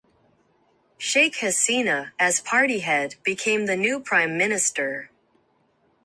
Sheikh Hasina, as party head, became the new Prime Minister.